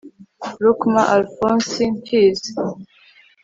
Rukma Alfonsi Mfizi